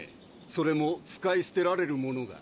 それも使い捨てられるものが。